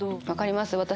分かります